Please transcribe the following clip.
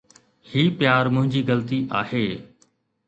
هي پيار منهنجي غلطي آهي